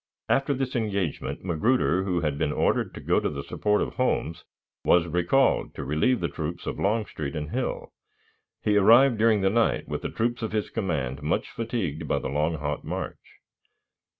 After this engagement, Magruder, who had been ordered to go to the support of Holmes, was recalled, to relieve the troops of Longstreet and Hill. He arrived during the night, with the troops of his command much fatigued by the long, hot march.